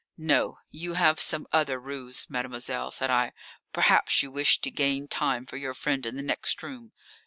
"No, you have some other ruse, mademoiselle," said I. "Perhaps you wish to gain time for your friend in the next room.